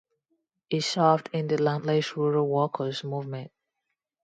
He served in the Landless Rural Workers Movement.